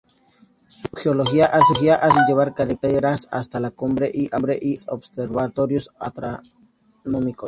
Su geología hace muy fácil llevar carreteras hasta la cumbre y abastecer observatorios astronómicos.